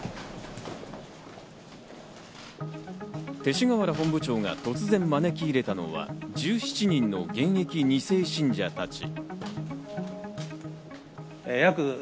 勅使河原本部長が突然招き入れたのは１７人の現役二世信者たち。